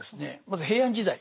まず平安時代。